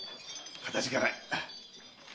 かたじけない。